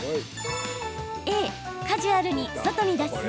Ａ・カジュアルに外に出す？